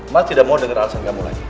mak tidak mau dengeran sanggamu lagi